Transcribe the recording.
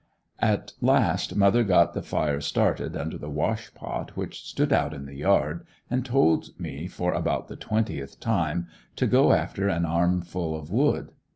At last mother got the fire started under the wash pot which stood out in the yard and told me for about the twentieth time to go after an armful of wood.